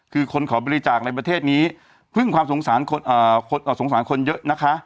คือคนขอบริจาคในประเทศนี้พึ่งความสงสารคนเยอะนะคะ